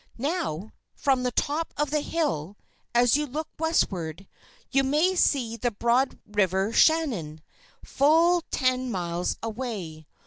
Now, from the top of the hill, as you look westward, you may see the broad river Shannon, full ten miles away.